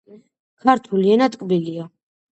ქართული ენა ტკბილია.